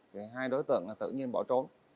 thì hai đối tượng là tự nhiên bỏ trốn